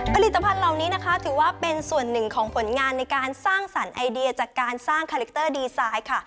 ผลิตภัณฑ์เหล่านี้นะคะถือว่าเป็นส่วนหนึ่งของผลงานในการสร้างสรรค์ไอเดียจากการสร้างคาแรคเตอร์ดีไซน์ค่ะ